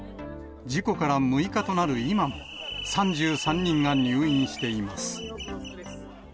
事故から６日となる今も、３３人が入院しています。